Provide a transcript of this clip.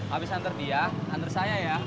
habis anter dia antar saya ya